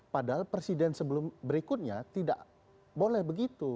padahal presiden sebelum berikutnya tidak boleh begitu